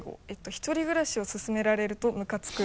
「１人暮らしをすすめられるとムカつく」